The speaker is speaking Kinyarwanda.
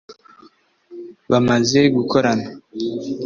bamaze gukorana